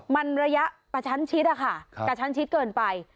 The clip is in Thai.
มันระยะประชันชิดอะค่ะกระชั้นชิดเกินไป